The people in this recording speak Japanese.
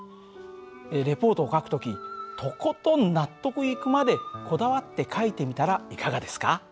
レポートを書く時とことん納得いくまでこだわって書いてみたらいかがですか？